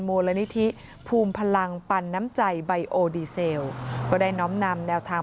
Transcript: มูลนิธิภูมิพลังปันน้ำใจไบโอดีเซลก็ได้น้อมนำแนวทาง